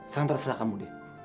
sangat terserah kamu deh